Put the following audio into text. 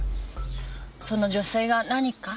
その女性が何か？